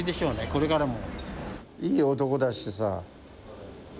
これからも。